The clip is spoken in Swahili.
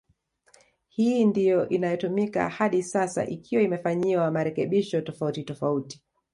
Hii ndio inayotumika hadi sasa ikiwa imefanyiwa marekebisho tofauti tofauti